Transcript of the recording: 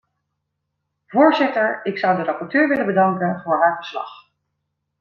Voorzitter, ik zou de rapporteur willen bedanken voor haar verslag.